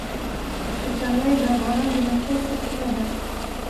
پسرلی د افغانانو د معیشت سرچینه ده.